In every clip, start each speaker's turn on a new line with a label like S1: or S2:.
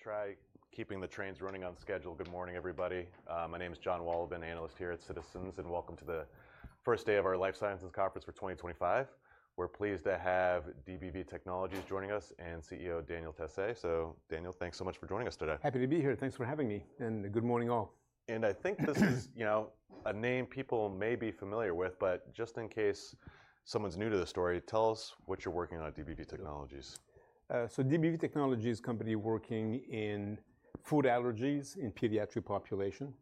S1: Try keeping the trains running on schedule. Good morning, everybody. My name is Jon Wolleben, analyst here at Citizens, and welcome to the first day of our Life Sciences Conference for 2025. We're pleased to have DBV Technologies joining us and CEO Daniel Tassé. So, Daniel, thanks so much for joining us today.
S2: Happy to be here. Thanks for having me. Good morning, all.
S1: I think this is, you know, a name people may be familiar with, but just in case someone's new to the story, tell us what you're working on at DBV Technologies.
S2: DBV Technologies is a company working in food allergies in the pediatric population.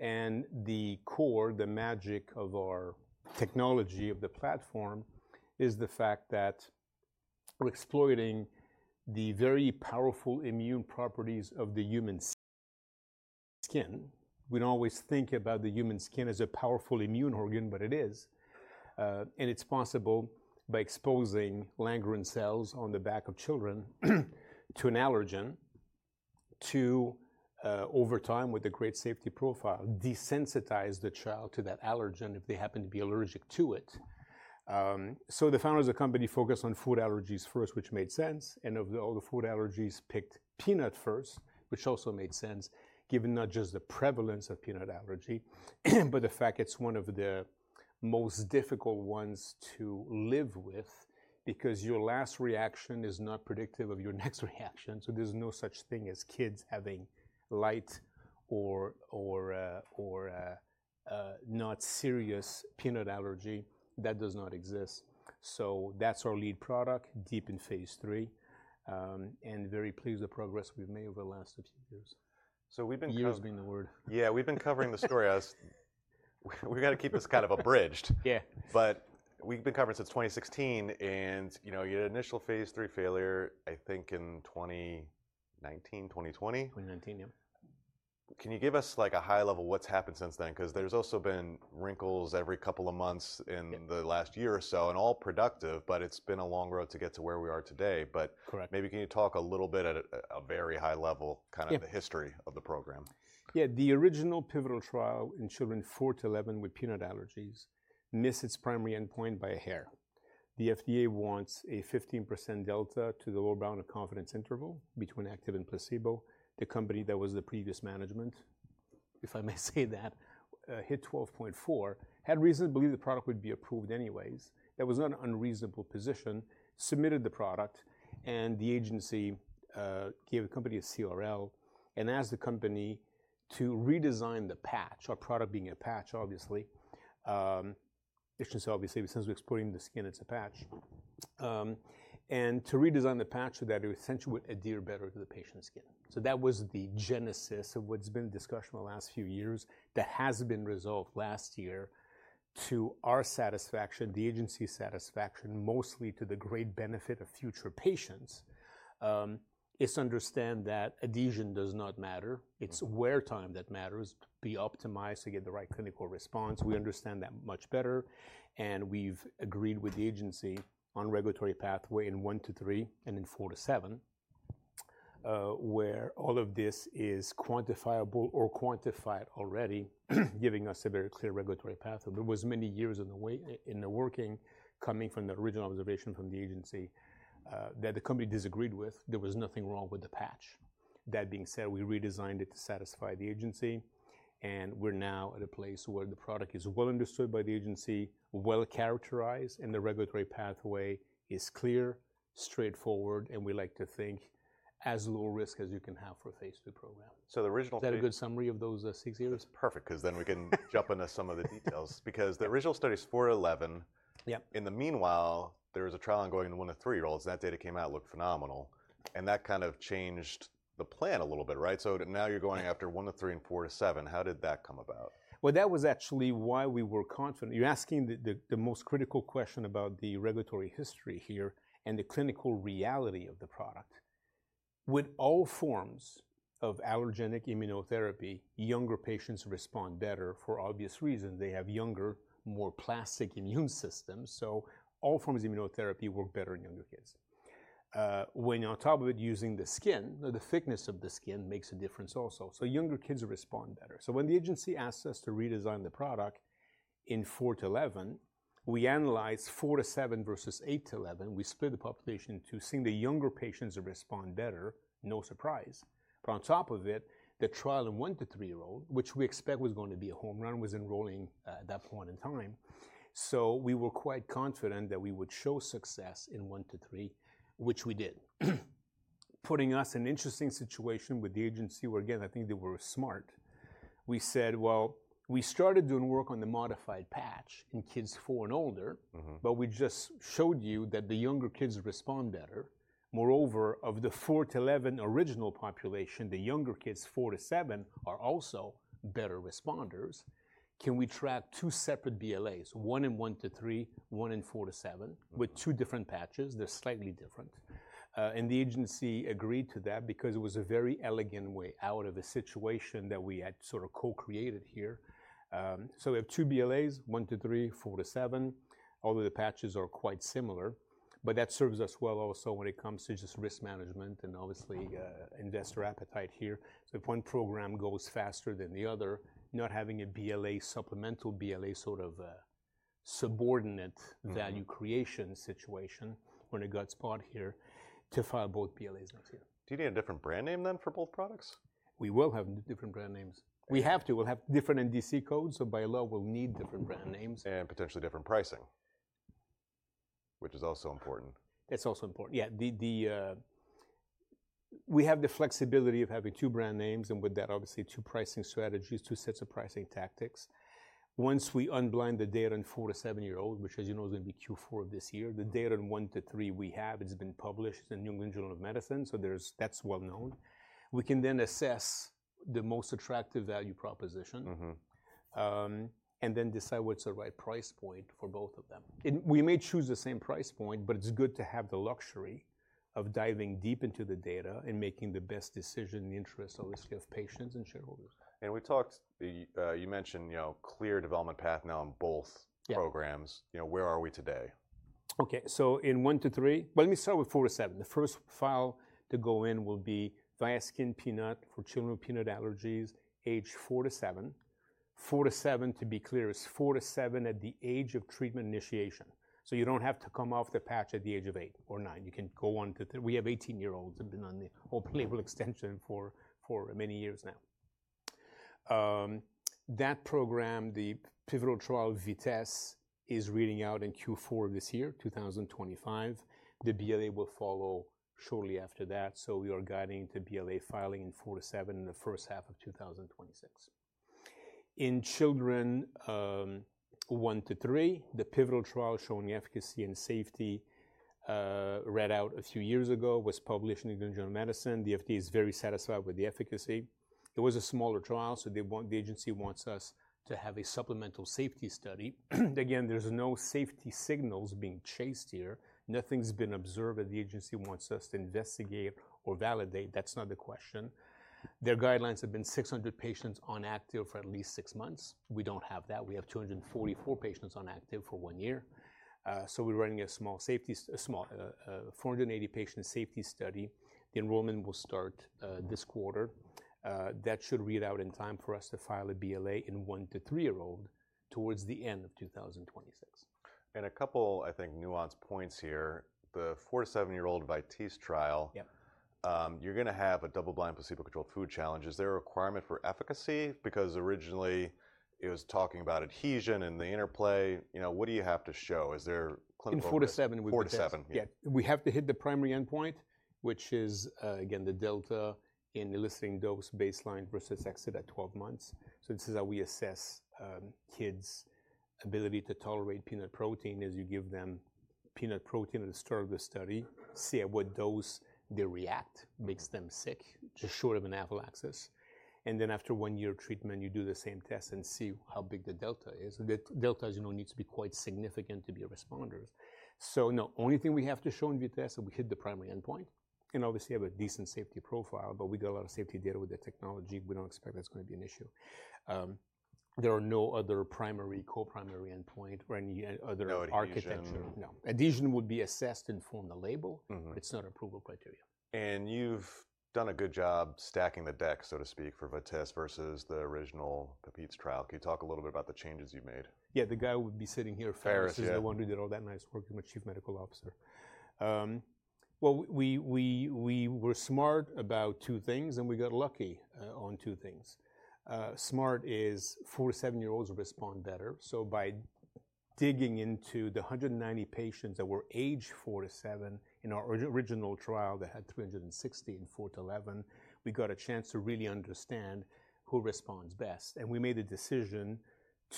S2: The core, the magic of our technology, of the platform, is the fact that we're exploiting the very powerful immune properties of the human skin. We don't always think about the human skin as a powerful immune organ, but it is. It's possible by exposing Langerhans cells on the back of children to an allergen to, over time with a great safety profile, desensitize the child to that allergen if they happen to be allergic to it. The founders of the company focused on food allergies first, which made sense. Of all the food allergies, picked peanut first, which also made sense, given not just the prevalence of peanut allergy, but the fact it's one of the most difficult ones to live with because your last reaction is not predictive of your next reaction. There's no such thing as kids having light or not serious peanut allergy. That does not exist. That's our lead product deep in phase 3. Very pleased with the progress we've made over the last few years.
S1: We've been covering.
S2: You have been the word.
S1: Yeah, we've been covering the story. We've got to keep this kind of abridged.
S2: Yeah.
S1: We've been covering since 2016. You had initial phase 3 failure, I think, in 2019, 2020.
S2: 2019, yeah.
S1: Can you give us, like, a high level of what's happened since then? Because there's also been wrinkles every couple of months in the last year or so, and all productive, but it's been a long road to get to where we are today. Maybe can you talk a little bit at a very high level kind of the history of the program?
S2: Yeah. The original pivotal trial in children 4-11 with peanut allergies missed its primary endpoint by a hair. The FDA wants a 15% delta to the lower bound of confidence interval between active and placebo. The company that was the previous management, if I may say that, hit 12.4, had reason to believe the product would be approved anyways. That was not an unreasonable position. Submitted the product, and the agency gave the company a CRL and asked the company to redesign the patch, our product being a patch, obviously. It should say, obviously, since we're exporting the skin, it's a patch. And to redesign the patch so that it essentially would adhere better to the patient's skin. That was the genesis of what's been the discussion in the last few years that has been resolved last year to our satisfaction, the agency's satisfaction, mostly to the great benefit of future patients. It's to understand that adhesion does not matter. It's wear time that matters. Be optimized to get the right clinical response. We understand that much better. We've agreed with the agency on a regulatory pathway in 1-3 and in 4-7, where all of this is quantifiable or quantified already, giving us a very clear regulatory pathway. There were many years in the working, coming from the original observation from the agency, that the company disagreed with. There was nothing wrong with the patch. That being said, we redesigned it to satisfy the agency. We're now at a place where the product is well understood by the agency, well characterized, and the regulatory pathway is clear, straightforward, and we like to think as low risk as you can have for a phase 3 program.
S1: The original.
S2: Is that a good summary of those six years?
S1: Perfect, because then we can jump into some of the details. Because the original study is 4-11.
S2: Yeah.
S1: In the meanwhile, there was a trial ongoing in 1-3 year olds. That data came out and looked phenomenal. That kind of changed the plan a little bit, right? Now you're going after 1-3 and 4-7. How did that come about?
S2: That was actually why we were confident. You're asking the most critical question about the regulatory history here and the clinical reality of the product. With all forms of allergenic immunotherapy, younger patients respond better for obvious reasons. They have younger, more plastic immune systems. So all forms of immunotherapy work better in younger kids. When on top of it, using the skin, the thickness of the skin makes a difference also. So younger kids respond better. When the agency asked us to redesign the product in 4-11, we analyzed 4-7 versus 8-11. We split the population into seeing the younger patients respond better, no surprise. On top of it, the trial in 1-3 year olds, which we expect was going to be a home run, was enrolling at that point in time. We were quite confident that we would show success in 1-3, which we did. That put us in an interesting situation with the agency where, again, I think they were smart. We said, well, we started doing work on the modified patch in kids 4 and older, but we just showed you that the younger kids respond better. Moreover, of the 4 to 11 original population, the younger kids 4-7 are also better responders. Can we track two separate BLAs, one in 1-3, one in 4-7, with two different patches? They're slightly different. The agency agreed to that because it was a very elegant way out of a situation that we had sort of co-created here. We have two BLAs, 1-3, 4-7, although the patches are quite similar. That serves us well also when it comes to just risk management and obviously investor appetite here. If one program goes faster than the other, not having a BLA, supplemental BLA, sort of subordinate value creation situation when it gets spot here to file both BLAs next year.
S1: Do you need a different brand name then for both products?
S2: We will have different brand names. We have to. We'll have different NDC codes. So by law, we'll need different brand names.
S1: Potentially different pricing, which is also important.
S2: That's also important. Yeah. We have the flexibility of having two brand names and with that, obviously, two pricing strategies, two sets of pricing tactics. Once we unblind the data in 4-7 year olds, which, as you know, is going to be Q4 of this year, the data in 1-3 we have, it's been published in the New England Journal of Medicine, so that's well known. We can then assess the most attractive value proposition and then decide what's the right price point for both of them. We may choose the same price point, but it's good to have the luxury of diving deep into the data and making the best decision in the interests, obviously, of patients and shareholders.
S1: You mentioned, you know, clear development path now in both programs. You know, where are we today?
S2: Okay. In one to three, well, let me start with 4-7. The first file to go in will be Viaskin Peanut for children with peanut allergies, age four to seven. 4-7, to be clear, is four to seven at the age of treatment initiation. You do not have to come off the patch at the age of eight or nine. You can go on to three. We have 18 year olds who have been on the open label extension for many years now. That program, the pivotal trial VITESSE, is reading out in Q4 this year, 2025. The BLA will follow shortly after that. We are guiding the BLA filing in four to seven in the first half of 2026. In children one to three, the pivotal trial showing efficacy and safety read out a few years ago was published in the New England Journal of Medicine. The FDA is very satisfied with the efficacy. It was a smaller trial, so the agency wants us to have a supplemental safety study. Again, there's no safety signals being chased here. Nothing's been observed that the agency wants us to investigate or validate. That's not the question. Their guidelines have been 600 patients on active for at least six months. We don't have that. We have 244 patients on active for one year. We are running a small 480 patient safety study. The enrollment will start this quarter. That should read out in time for us to file a BLA in one to three year olds towards the end of 2026.
S1: A couple, I think, nuanced points here. The 4-7 year old VITESSE trial, you're going to have a double-blind placebo-controlled food challenge. Is there a requirement for efficacy? Because originally it was talking about adhesion and the interplay. You know, what do you have to show? Is there clinical?
S2: In 4-7, we would.
S1: 4-7.
S2: Yeah. We have to hit the primary endpoint, which is, again, the delta in eliciting dose baseline versus exit at 12 months. This is how we assess kids' ability to tolerate peanut protein as you give them peanut protein at the start of the study, see at what dose they react, makes them sick, just short of anaphylaxis. After one year of treatment, you do the same test and see how big the delta is. The delta, as you know, needs to be quite significant to be responders. No, only thing we have to show in VITESSE, we hit the primary endpoint and obviously have a decent safety profile. We got a lot of safety data with the technology. We do not expect that is going to be an issue. There are no other primary, co-primary endpoint or any other architecture.
S1: No adhesion.
S2: No. Adhesion would be assessed and form a label. It's not an approval criteria.
S1: You've done a good job stacking the deck, so to speak, for VITESSE versus the original PEPITES trial. Can you talk a little bit about the changes you've made?
S2: Yeah. The guy who would be sitting here.
S1: Faris.
S2: Faris is the one who did all that nice work. He's my Chief Medical Officer. We were smart about two things, and we got lucky on two things. Smart is four to seven year olds respond better. By digging into the 190 patients that were aged four to seven in our original trial that had 360 in four to eleven, we got a chance to really understand who responds best. We made a decision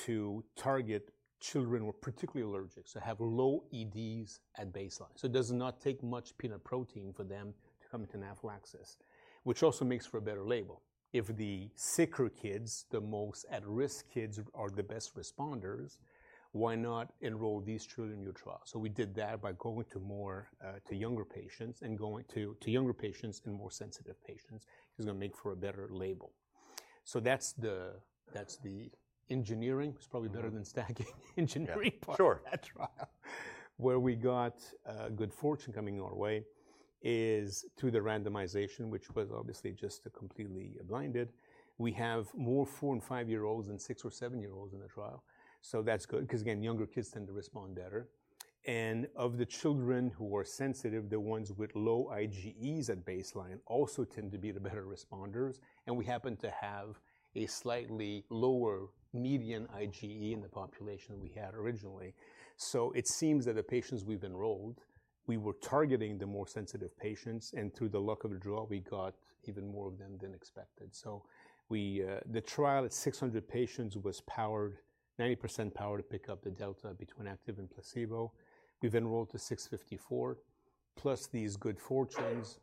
S2: to target children who are particularly allergic, so have low EDs at baseline. It does not take much peanut protein for them to come into anaphylaxis, which also makes for a better label. If the sicker kids, the most at-risk kids are the best responders, why not enroll these children in your trial? We did that by going to younger patients and going to younger patients and more sensitive patients, which is going to make for a better label. That's the engineering. It's probably better than stacking engineering part of that trial.
S1: Sure.
S2: Where we got good fortune coming our way is through the randomization, which was obviously just completely blinded. We have more 4 and 5 year olds than 6 or 7 year olds in the trial. That is good because, again, younger kids tend to respond better. Of the children who are sensitive, the ones with low IgE at baseline also tend to be the better responders. We happen to have a slightly lower median IgE in the population we had originally. It seems that the patients we have enrolled, we were targeting the more sensitive patients. Through the luck of the draw, we got even more of them than expected. The trial at 600 patients was powered, 90% powered to pick up the delta between active and placebo. We have enrolled to 654. Plus these good fortunes,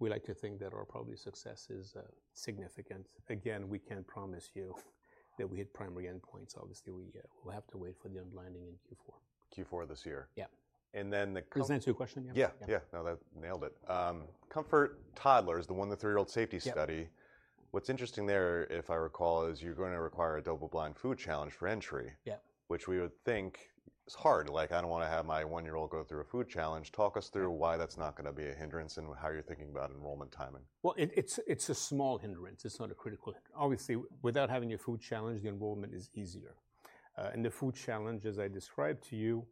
S2: we like to think that our probability of success is significant. Again, we can't promise you that we hit primary endpoints. Obviously, we will have to wait for the unblinding in Q4.
S1: Q4 this year.
S2: Yeah.
S1: Then the.
S2: Does that answer your question?
S1: Yeah.
S2: Yeah.
S1: Yeah. No, that nailed it. COMFORT Toddlers, the 1-3 year old safety study. What's interesting there, if I recall, is you're going to require a double-blind food challenge for entry, which we would think is hard. Like, I don't want to have my 1 year old go through a food challenge. Talk us through why that's not going to be a hindrance and how you're thinking about enrollment timing.
S2: It's a small hindrance. It's not a critical hindrance. Obviously, without having your food challenge, the enrollment is easier. The food challenge, as I described to you,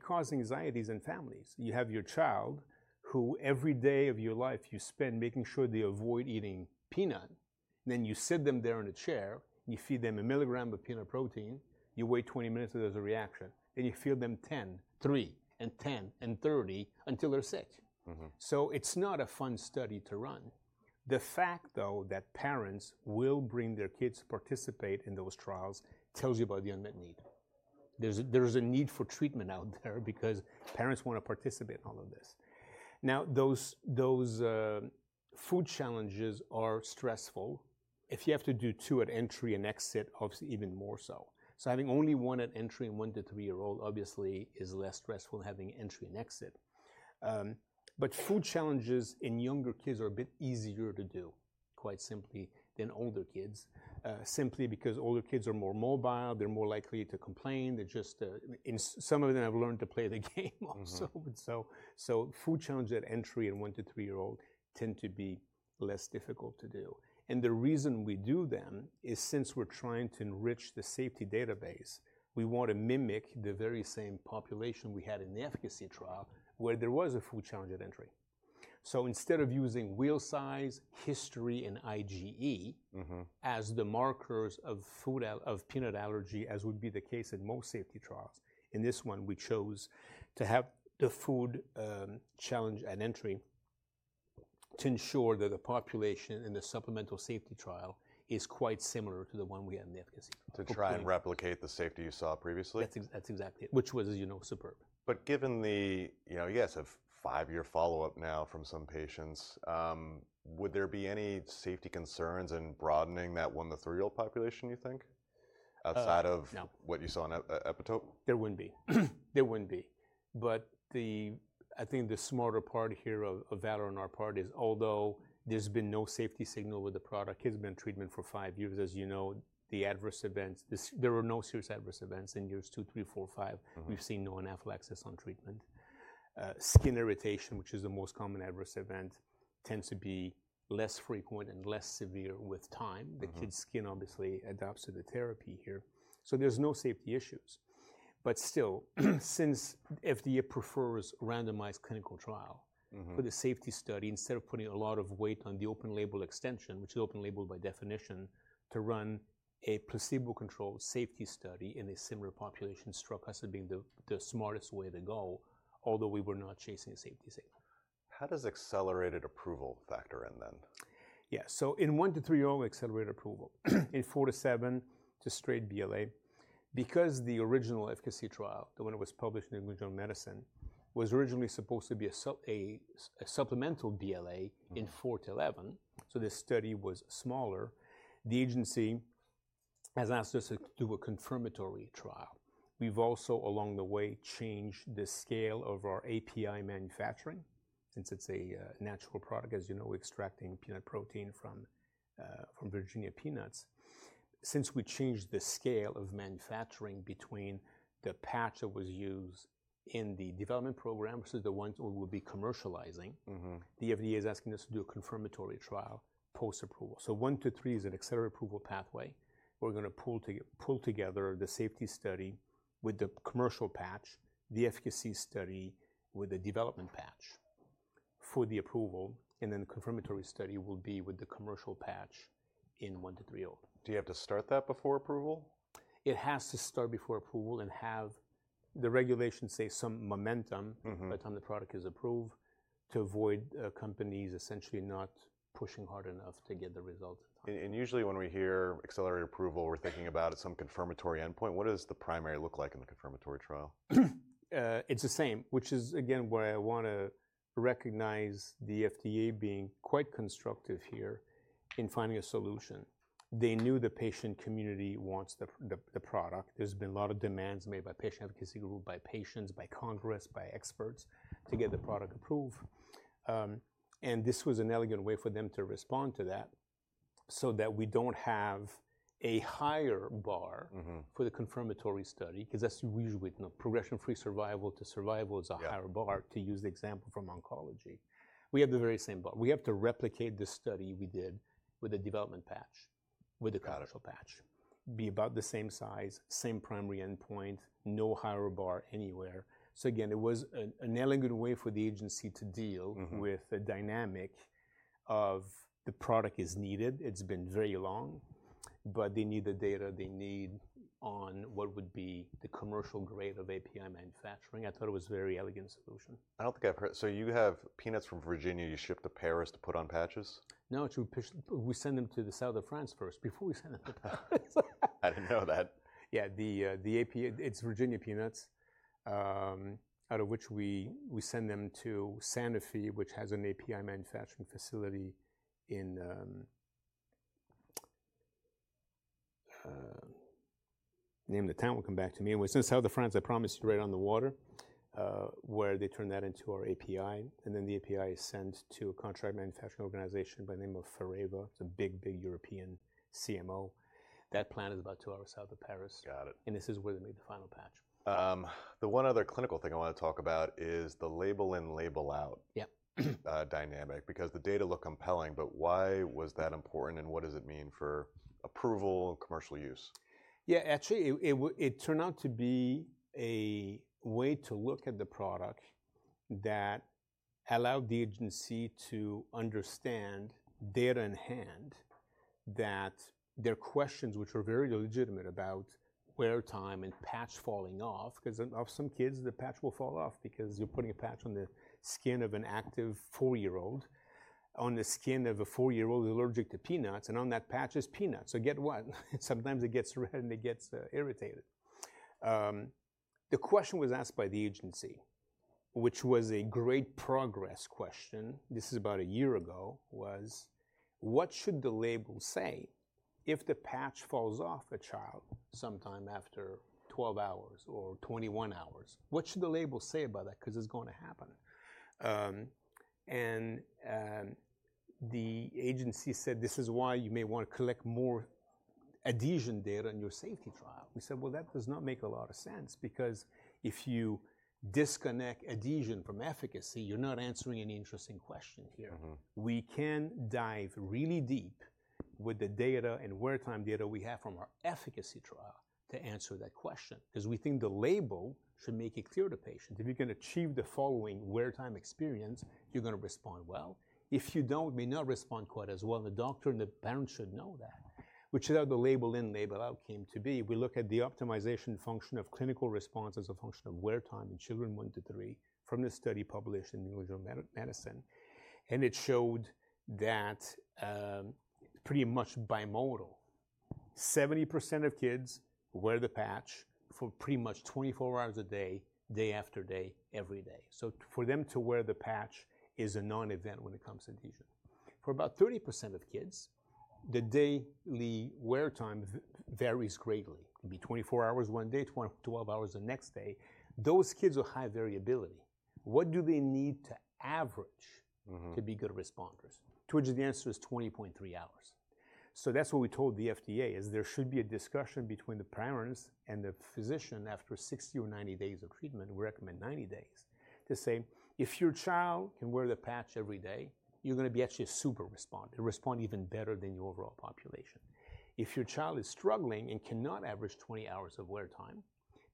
S2: causes anxieties in families. You have your child who every day of your life you spend making sure they avoid eating peanut. You sit them there in a chair, you feed them a milligram of peanut protein, you wait 20 minutes, there's a reaction. You feed them 10, 3, and 10, and 30 until they're sick. It's not a fun study to run. The fact, though, that parents will bring their kids to participate in those trials tells you about the unmet need. There's a need for treatment out there because parents want to participate in all of this. Those food challenges are stressful. If you have to do two at entry and exit, obviously even more so. Having only one at entry in 1-3 year old, obviously, is less stressful than having entry and exit. Food challenges in younger kids are a bit easier to do, quite simply, than older kids, simply because older kids are more mobile, they're more likely to complain. They're just, some of them have learned to play the game also. Food challenges at entry in 1-3 year olds tend to be less difficult to do. The reason we do them is since we're trying to enrich the safety database, we want to mimic the very same population we had in the efficacy trial where there was a food challenge at entry. Instead of using wheel size, history, and IgE as the markers of peanut allergy, as would be the case in most safety trials, in this one, we chose to have the food challenge at entry to ensure that the population in the supplemental safety trial is quite similar to the one we had in the efficacy trial.
S1: To try and replicate the safety you saw previously.
S2: That's exactly it, which was, as you know, superb.
S1: Given the, you know, yes, a five-year follow-up now from some patients, would there be any safety concerns in broadening that 1-3 year old population, you think, outside of what you saw in EPITOPE?
S2: There wouldn't be. There wouldn't be. I think the smarter part here of that on our part is, although there's been no safety signal with the product, kids have been on treatment for five years, as you know, the adverse events, there were no serious adverse events in years 2, 3, 4, 5. We've seen no anaphylaxis on treatment. Skin irritation, which is the most common adverse event, tends to be less frequent and less severe with time. The kid's skin obviously adapts to the therapy here. There's no safety issues. Still, since FDA prefers randomized clinical trial for the safety study, instead of putting a lot of weight on the open label extension, which is open label by definition, to run a placebo-controlled safety study in a similar population, stroke testing being the smartest way to go, although we were not chasing a safety signal.
S1: How does accelerated approval factor in then?
S2: Yeah. So in one to three year olds, accelerated approval. In four to seven, just straight BLA. Because the original efficacy trial, the one that was published in the New England Journal of Medicine, was originally supposed to be a supplemental BLA in four to eleven, so the study was smaller, the agency has asked us to do a confirmatory trial. We've also, along the way, changed the scale of our API manufacturing since it's a natural product, as you know, we're extracting peanut protein from Virginia peanuts. Since we changed the scale of manufacturing between the patch that was used in the development program versus the ones we will be commercializing, the FDA is asking us to do a confirmatory trial post-approval. So one to three is an accelerated approval pathway. We're going to pull together the safety study with the commercial patch, the efficacy study with the development patch for the approval, and then the confirmatory study will be with the commercial patch in 1 to 3 year old.
S1: Do you have to start that before approval?
S2: It has to start before approval and have the regulation see some momentum by the time the product is approved to avoid companies essentially not pushing hard enough to get the results.
S1: Usually when we hear accelerated approval, we're thinking about some confirmatory endpoint. What does the primary look like in the confirmatory trial?
S2: It's the same, which is, again, why I want to recognize the FDA being quite constructive here in finding a solution. They knew the patient community wants the product. There's been a lot of demands made by patient advocacy group, by patients, by Congress, by experts to get the product approved. This was an elegant way for them to respond to that so that we don't have a higher bar for the confirmatory study because that's usually progression-free survival to survival is a higher bar to use the example from oncology. We have the very same bar. We have to replicate the study we did with the development patch, with the commercial patch. Be about the same size, same primary endpoint, no higher bar anywhere. It was an elegant way for the agency to deal with the dynamic of the product is needed. It's been very long, but they need the data. They need on what would be the commercial grade of API manufacturing. I thought it was a very elegant solution.
S1: I don't think I've heard. So you have peanuts from Virginia. You ship to Paris to put on patches?
S2: No, we send them to the South of France first before we send them to Paris.
S1: I didn't know that.
S2: Yeah. It's Virginia peanuts, out of which we send them to Santa Fe, which has an API manufacturing facility in, name of the town will come back to me. It was in the South of France, I promised you, right on the water, where they turn that into our API. The API is sent to a contract manufacturing organization by the name of Fareva. It's a big, big European CMO. That plant is about two hours south of Paris.
S1: Got it.
S2: This is where they made the final patch.
S1: The one other clinical thing I want to talk about is the label in, label out.
S2: Yeah.
S1: Dynamic because the data look compelling, but why was that important and what does it mean for approval and commercial use?
S2: Yeah. Actually, it turned out to be a way to look at the product that allowed the agency to understand, data in hand, that their questions, which are very legitimate about wear time and patch falling off, because some kids, the patch will fall off because you're putting a patch on the skin of an active 4-year-old, on the skin of a 4-year-old who's allergic to peanuts, and on that patch is peanuts. So guess what? Sometimes it gets red and it gets irritated. The question was asked by the agency, which was a great progress question. This is about a year ago, was, what should the label say if the patch falls off a child sometime after 12 hours or 21 hours? What should the label say about that because it's going to happen? The agency said, this is why you may want to collect more adhesion data in your safety trial. We said, well, that does not make a lot of sense because if you disconnect adhesion from efficacy, you're not answering an interesting question here. We can dive really deep with the data and wear time data we have from our efficacy trial to answer that question because we think the label should make it clear to patients. If you can achieve the following wear time experience, you're going to respond well. If you don't, may not respond quite as well. The doctor and the parent should know that. Which is how the label in, label out came to be. We look at the optimization function of clinical response as a function of wear time in children 1-3 from the study published in the New England Journal of Medicine. It showed that pretty much bimodal, 70% of kids wear the patch for pretty much 24 hours a day, day-after-day, every day. For them to wear the patch is a non-event when it comes to adhesion. For about 30% of kids, the daily wear time varies greatly. It could be 24 hours one day, 12 hours the next day. Those kids are high variability. What do they need to average to be good responders? Towards the end, it was 20.3 hours. That is what we told the FDA is there should be a discussion between the parents and the physician after 60 or 90 days of treatment. We recommend 90 days to say, if your child can wear the patch every day, you are going to be actually a super responder. You respond even better than your overall population. If your child is struggling and cannot average 20 hours of wear time,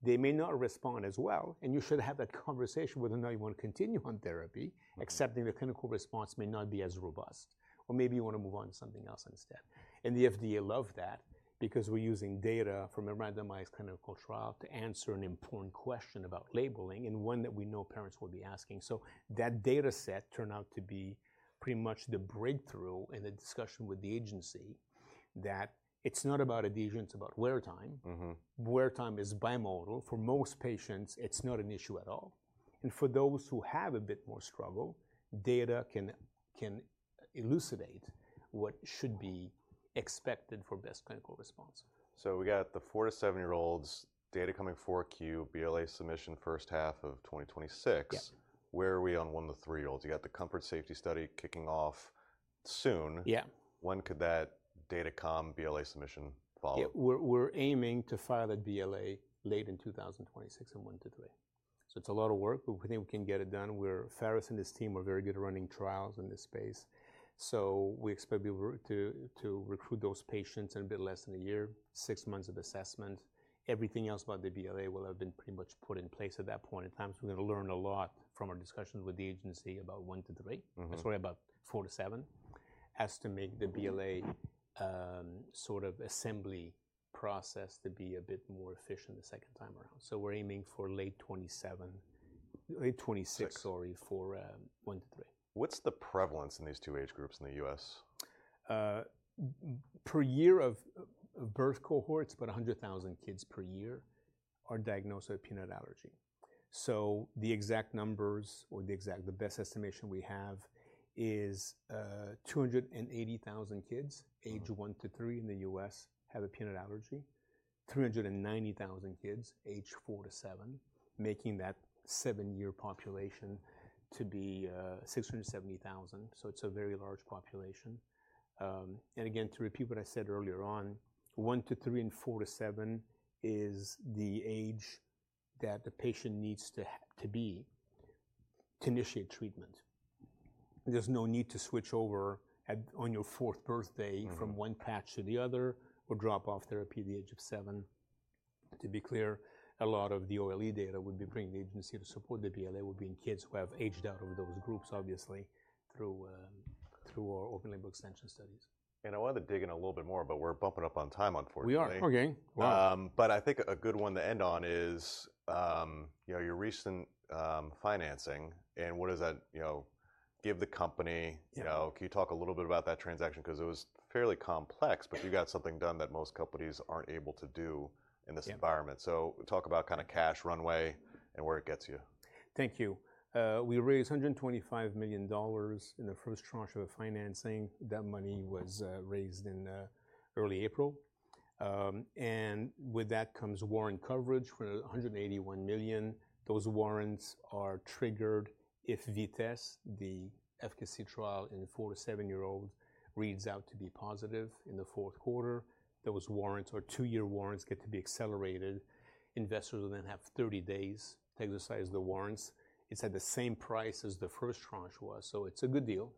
S2: they may not respond as well. You should have that conversation with them. You want to continue on therapy, except the clinical response may not be as robust, or maybe you want to move on to something else instead. The FDA loved that because we're using data from a randomized clinical trial to answer an important question about labeling and one that we know parents will be asking. That data set turned out to be pretty much the breakthrough in the discussion with the agency that it's not about adhesion, it's about wear time. Wear time is bimodal. For most patients, it's not an issue at all. For those who have a bit more struggle, data can elucidate what should be expected for best clinical response.
S1: We got the 4-7 year olds, data coming for Q, BLA submission first half of 2026. Where are we on 1-3 year olds? You got the COMFORT safety study kicking off soon.
S2: Yeah.
S1: When could that data come, BLA submission follow?
S2: We're aiming to file that BLA late in 2026 on 1-3. It's a lot of work, but we think we can get it done. Faris and his team are very good at running trials in this space. We expect to recruit those patients in a bit less than a year, six months of assessment. Everything else about the BLA will have been pretty much put in place at that point in time. We're going to learn a lot from our discussions with the agency about 1-3. That's why about 4-7 has to make the BLA sort of assembly process to be a bit more efficient the second time around. We're aiming for late 2027, late 2026, sorry, for 1-3.
S1: What's the prevalence in these two age groups in the U.S.?
S2: Per year of birth cohorts, about 100,000 kids per year are diagnosed with a peanut allergy. The exact numbers or the best estimation we have is 280,000 kids age 1 to 3 in the US have a peanut allergy, 390,000 kids age 4-7, making that seven-year population to be 670,000. It is a very large population. Again, to repeat what I said earlier on, 1-3 and 4-7 is the age that the patient needs to be to initiate treatment. There is no need to switch over on your fourth birthday from one patch to the other or drop off therapy at the age of 7. To be clear, a lot of the OLE data would be bringing the agency to support the BLA would be in kids who have aged out of those groups, obviously, through our open label extension studies.
S1: I wanted to dig in a little bit more, but we're bumping up on time on 4 March.
S2: We are okay.
S1: I think a good one to end on is your recent financing and what does that give the company? Can you talk a little bit about that transaction? Because it was fairly complex, but you got something done that most companies aren't able to do in this environment. Talk about kind of cash runway and where it gets you.
S2: Thank you. We raised $125 million in the first tranche of financing. That money was raised in early April. With that comes warrant coverage for $181 million. Those warrants are triggered if VITESSE, the efficacy trial in 4-7 year olds, reads out to be positive in the fourth quarter. Those warrants are two-year warrants, get to be accelerated. Investors will then have 30 days to exercise the warrants. It's at the same price as the first tranche was. It's a good deal.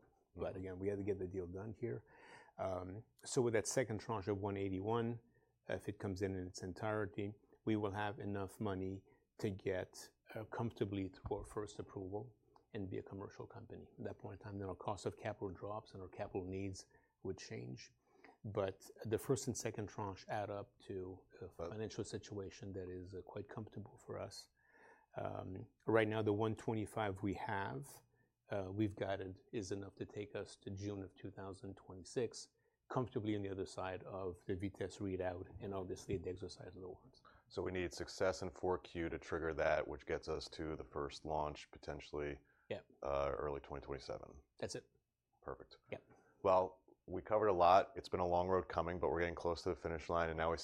S2: Again, we had to get the deal done here. With that second tranche of $181 million, if it comes in in its entirety, we will have enough money to get comfortably to our first approval and be a commercial company. At that point in time, our cost of capital drops and our capital needs would change. The first and second tranche add up to a financial situation that is quite comfortable for us. Right now, the $125 million we have, we've got it, is enough to take us to June of 2026, comfortably on the other side of the VITESSE readout and obviously the exercise of the warrants.
S1: We need success in 4Q to trigger that, which gets us to the first launch potentially early 2027.
S2: That's it.
S1: Perfect.
S2: Yeah.
S1: We covered a lot. It's been a long road coming, but we're getting close to the finish line. And now.